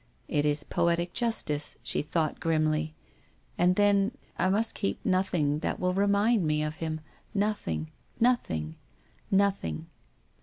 " It is poetic justice," she thought grimly ;" and then — I must keep nothing that will remind me of him — nothing — nothing — nothing